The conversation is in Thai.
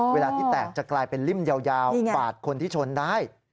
เวลาที่แตกจะกลายเป็นริ่มยาวปาดคนที่ชนได้